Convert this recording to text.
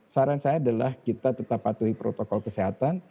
saran saya adalah kita tetap patuhi protokol kesehatan